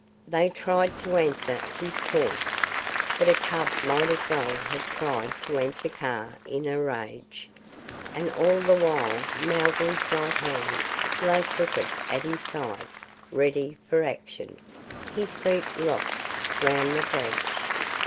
They tried to answer his taunts, but a cub might as well have tried to answer Kaa in a rage; and all the while Mowgli's right hand lay crooked at his side, ready for action, his feet locked round the branch.